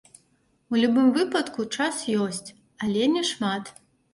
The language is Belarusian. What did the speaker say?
У любым выпадку, час ёсць, але не шмат.